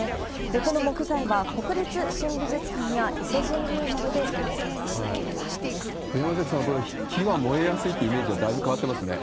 この木材は国立新美術館や伊勢神宮などで利用されているというここれ、山崎さん、木は燃えやすいってイメージはだいぶ変わってますね。